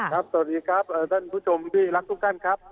สวัสดีครับท่านผู้ชมที่รักทุกท่านครับ